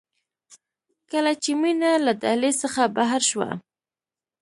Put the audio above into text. کله چې مينه له دهلېز څخه بهر شوه.